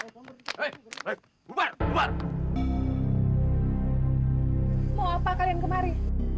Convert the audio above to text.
apa yang ingin kalian lakukan hari ini